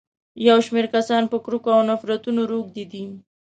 يو شمېر کسان په کرکو او نفرتونو روږدي دي.